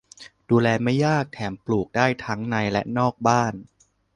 ดูแลไม่ยาก แถมปลูกได้ทั้งในและนอกบ้าน